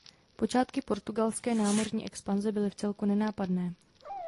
Počátky Portugalské námořní expanze byly vcelku nenápadné.